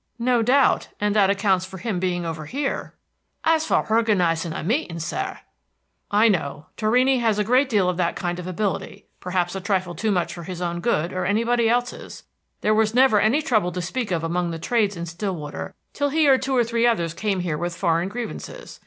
"No doubt, and that accounts for him being over here." "As for horganizing a meeting, sir" "I know. Torrini has a great deal of that kind of ability; perhaps a trifle too much for his own good or anybody else's. There was never any trouble to speak of among the trades in Stillwater till he and two or three others came here with foreign grievances.